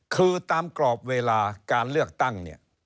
คือตามกรอบเวลาการเลือกตั้งเนี่ย